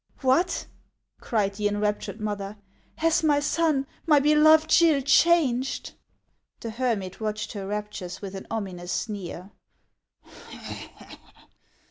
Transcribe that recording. " What 1 " cried the enraptured mother, " has my son, my beloved Gill, changed ?" The hermit watched her raptures with an ominous sneer.